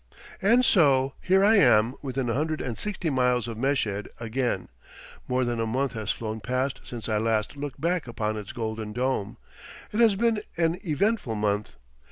And so, here I am within a hundred and sixty miles of Meshed again. More than a month has flown past since I last looked back upon its golden dome; it has been an eventful month.